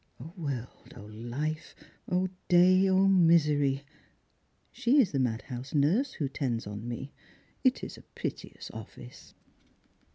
world ! life ! day ! misery !She is the madhouse nurse who tends on me. It is a piteous office."